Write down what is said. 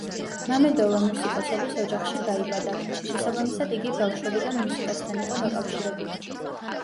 მამედოვა მუსიკოსების ოჯახში დაიბადა, შესაბამისად იგი ბავშვობიდან მუსიკასთან იყო დაკავშირებული.